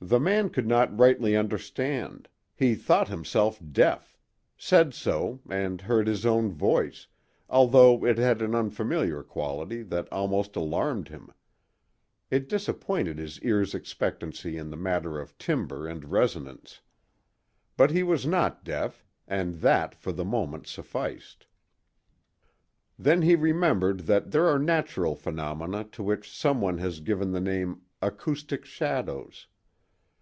The man could not rightly understand: he thought himself deaf; said so, and heard his own voice, although it had an unfamiliar quality that almost alarmed him; it disappointed his ear's expectancy in the matter of timbre and resonance. But he was not deaf, and that for the moment sufficed. Then he remembered that there are natural phenomena to which some one has given the name "acoustic shadows."